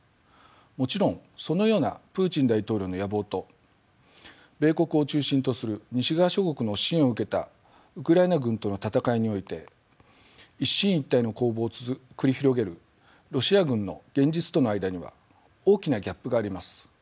もちろんそのようなプーチン大統領の野望と米国を中心とする西側諸国の支援を受けたウクライナ軍との戦いにおいて一進一退の攻防を繰り広げるロシア軍の現実との間には大きなギャップがあります。